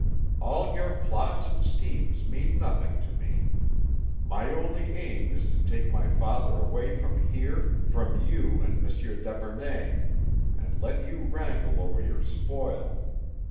"All your plots and schemes mean nothing to me. My only aim is to take my father away from here, from you and M. d'Epernay, and let you wrangle over your spoil.